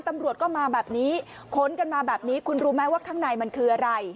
ตำรวจก็มาแบบนี้ขนกันมาแบบนี้คุณรู้ไหมว่าข้างในมันคืออะไร